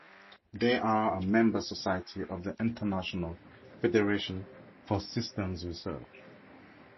They are a member society of the International Federation for Systems Research.